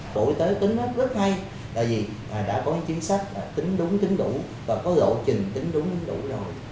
đổi tế tính rất hay tại vì đã có chính sách là tính đúng tính đủ và có rộ trình tính đúng đủ rồi